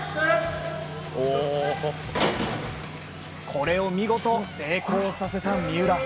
これを見事成功させた三浦。